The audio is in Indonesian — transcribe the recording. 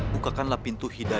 bukakanlah pintu hidupku